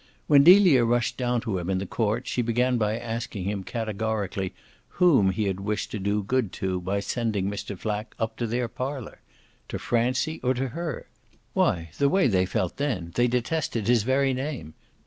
When Delia rushed down to him in the court she began by asking him categorically whom he had wished to do good to by sending Mr. Flack up to their parlour. To Francie or to her? Why the way they felt then, they detested his very name.